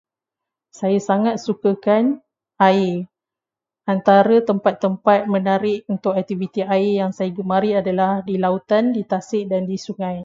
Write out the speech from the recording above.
Saya sangat sukakan air. Antara tempat-tempat menarik untuk aktiviti air yang saya gemari adalah di lautan, di tasik dan di sungai.